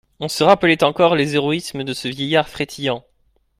On se rappelait encore les héroïsmes de ce vieillard frétillant.